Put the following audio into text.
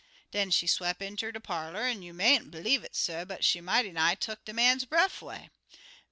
Den she swep' inter de parlor, an', you mayn't blieve it, suh, but she mighty nigh tuck de man's breff 'way.